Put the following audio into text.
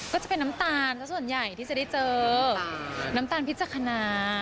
ก็จะเป็นน้ำตาลสักส่วนใหญ่ที่จะได้เจอน้ำตาลพิจักษณา